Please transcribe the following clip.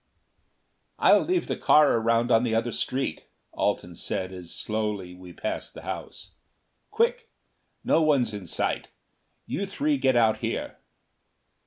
"I'll leave the car around on the other street," Alten said as slowly we passed the house. "Quick no one's in sight; you three get out here."